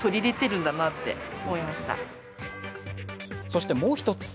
そしてもう１つ。